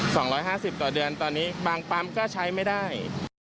สองร้อยห้าสิบต่อเดือนตอนนี้บางปั๊มก็ใช้ไม่ได้